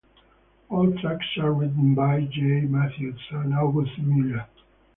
All tracks are written by Jae Matthews and Augustus Muller.